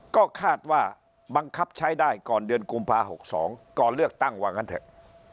ก็คาดว่าบังคับใช้ได้ก่อนเดือนกุมภา๖๒ก่อนเลือกตั้งว่างั้นเถอะ